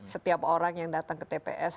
setiap orang yang datang ke tps